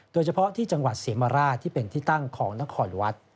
โดยเฉพาะที่จังหวัดเสียมราชที่เป็นที่ตั้งของนครวัด